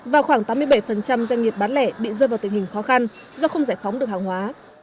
và khoảng tám mươi bảy doanh nghiệp bán lẻ bị rơi vào tình hình khó khăn do không giải phóng được hàng hóa